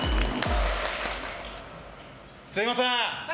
すいません！